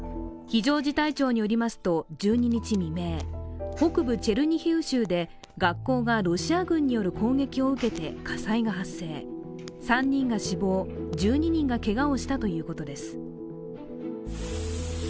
非常事態庁によりますと１２日未明北部チェルニヒウ州で学校がロシア軍による攻撃を受けて火災が発生、３人が死亡、１２人がけがをしたということです。